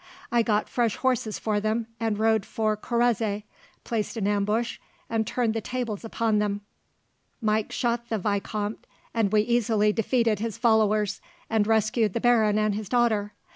I got fresh horses for them and rode for Correze, placed an ambush, and turned the tables upon them. Mike shot the vicomte, and we easily defeated his followers, and rescued the baron and his daughter.